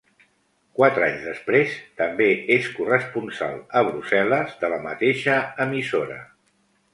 Quatre anys després també és corresponsal a Brussel·les de la mateixa emissora.